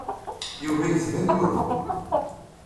Yuba yettban yuḍen.